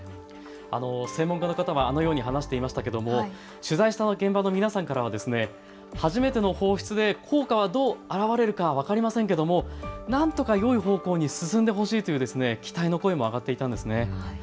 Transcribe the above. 専門家の方もあのように話していましたけども取材した現場の皆さんからは初めての放出で効果はどう表れるか分かりませんけどもなんとかよい方向に進んでほしいという期待の声も上がっていたんです。